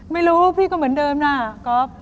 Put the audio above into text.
ไม่รู้พี่ก็เหมือนเดิมนะก๊อฟ